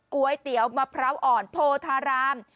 ก๋วยเตี๋ยวมะพร้าวอ่อนโพธาราม